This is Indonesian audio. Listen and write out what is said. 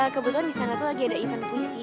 kebetulan disana tuh lagi ada event puisi